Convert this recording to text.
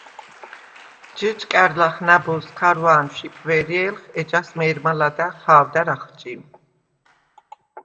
ჯჷჭკა̈რ ლახ ნა̈ბოზს ქარვანშვ იპვე̄რჲე̄ლხ, ეჯას მე̄რმა ლადა̈ღ ჰა̄ვდა̈რ ახჭიმ.